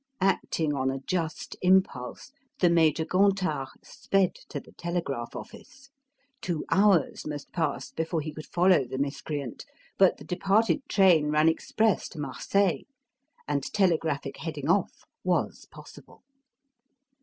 Acting on a just impulse, the Major Gontard sped to the telegraph office. Two hours must pass before he could follow the miscreant; but the departed train ran express to Marseille, and telegraphic heading off was possible.